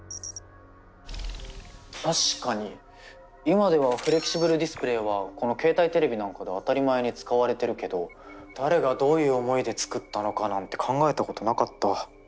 確かに今ではフレキシブルディスプレーはこの携帯テレビなんかで当たり前に使われてるけど誰がどういう思いで作ったのかなんて考えたことなかった。